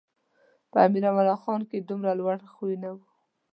په امیر امان الله خان کې دومره لوړ خویونه و.